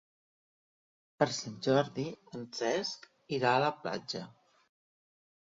Per Sant Jordi en Cesc irà a la platja.